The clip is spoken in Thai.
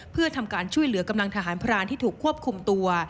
เพื่อทำการช่วยเหลือกำลังทหารพรานที่ถูกควบคุมตัว